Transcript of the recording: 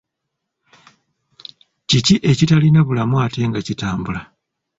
Kiki ekitalina bulamu ate nga tekitambula?